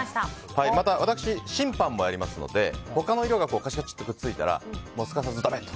また、私、審判もやりますので他の色がくっついたらすかさずダメと。